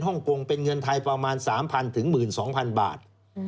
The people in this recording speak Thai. ฮงกงเป็นเงินไทยประมาณ๓๐๐๑๒๐๐๐บาท